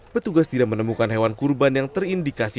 petugas tidak menemukan hewan kurban yang terindikasi